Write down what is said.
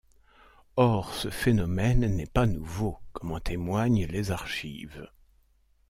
Or, ce phénomène n'est pas nouveau, comme en témoignent les archives.